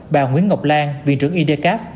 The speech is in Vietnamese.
bà nguyễn ngọc lan viên trưởng idcap